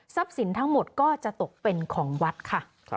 สินทั้งหมดก็จะตกเป็นของวัดค่ะ